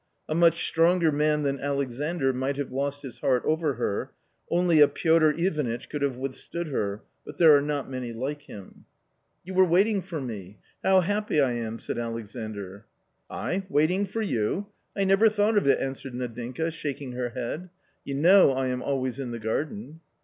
A much stronger man than Alexandr might have lost his heart over her, only a Piotr Ivanitch could have withstood her, but there are not many like him. " You were waiting for me ! How happy I am !" said Alexandr. " I waiting for you? I never thought of it !" answered Nadinka, shaking her head: — "You know I am always in the garden."